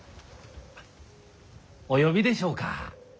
お呼びでしょうか？